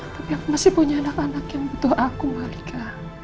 tapi aku masih punya anak anak yang butuh aku mbak lika